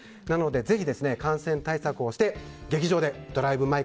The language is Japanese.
なのでぜひ感染対策をして劇場で「ドライブ